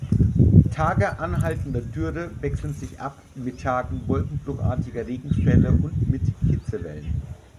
Tage anhaltender Dürre wechseln sich ab mit Tagen wolkenbruchartiger Regenfälle und mit Hitzewellen.